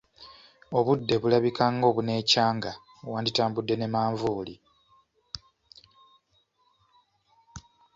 Obudde bulabika nga obuneecanga, wanditambudde ne manvuuli.